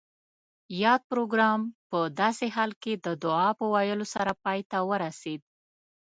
یاد پروګرام پۀ داسې حال کې د دعا پۀ ویلو سره پای ته ورسید